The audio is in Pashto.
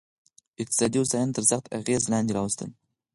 اقتصادي هوساینه تر سخت اغېز لاندې راوستل.